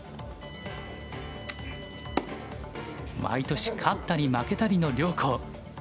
毎年勝ったり負けたりの両校。